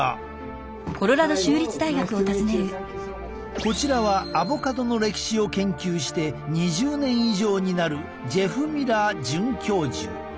こちらはアボカドの歴史を研究して２０年以上になるジェフ・ミラー准教授。